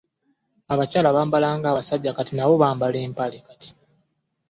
abakyala bambala nga basajja kati nabo bambala mpale kati